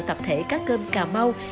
tập thể các cơm cà mau